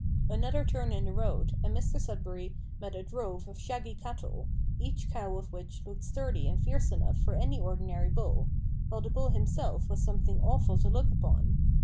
Another turn in the road, and Mr Sudberry met a drove of shaggy cattle, each cow of which looked sturdy and fierce enough for any ordinary bull; while the bull himself was something awful to look upon.